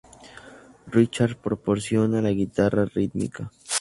Richards proporciona la guitarra rítmica.